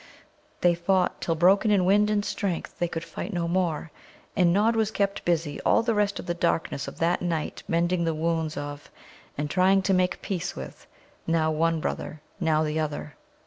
They fought till, broken in wind and strength, they could fight no more. And Nod was kept busy all the rest of the darkness of that night mending the wounds of, and trying to make peace with, now one brother, now the other.